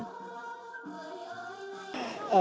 chúng tôi rất tự hào